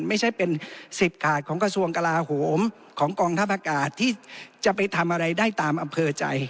ไม่ใช่เป็น๑๐ขาดของกระทรวงกลาโหมของกองทัพอากาศที่จะไปทำอะไรได้ตามอำเภอใจ